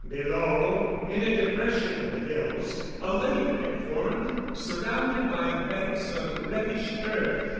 Below in a depression of the hills a lake had formed, surrounded by banks of reddish earth.